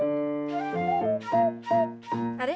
あれ？